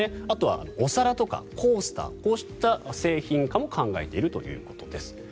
あとはお皿とかコースターこういった製品化も考えているということです。